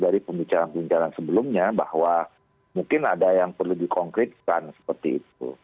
dari pembicaraan pembicaraan sebelumnya bahwa mungkin ada yang perlu dikonkretkan seperti itu